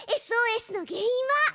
ＳＯＳの原因は！